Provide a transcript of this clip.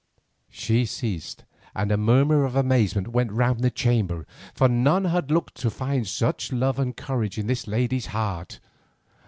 She ceased and a murmur of amazement went round the chamber, for none had looked to find such love and courage in this lady's heart.